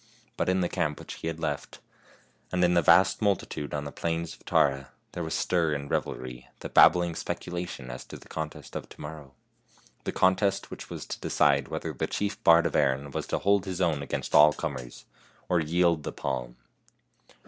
But in the camp which he had left, and in the 90 FAIRY TALES vast multitude on the plains of Tara, there was stir and revelry, and babbling speculation as to the contest of to morrow the contest which was to decide whether the chief bard of Erin was to hold his own against all comers, or yield the palm.